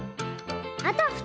「あたふた！